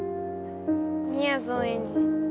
みやぞんエンジ。